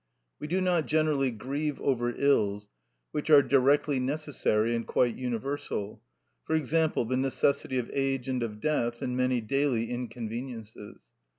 We do not generally grieve over ills which are directly necessary and quite universal; for example, the necessity of age and of death, and many daily inconveniences.